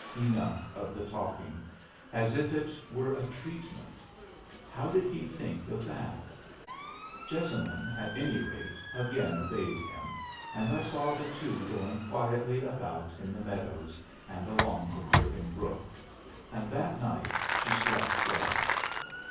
Enough of the talking as if it were a treatment! How did he think of that? Jessamine, at any rate, again obeyed him, and I saw the two going quietly about in the meadows and along the curving brook; and that night she slept well.